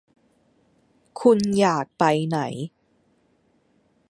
คุณอยากไปไหน